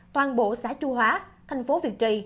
toàn bộ xã chu hóa thành phố việt trì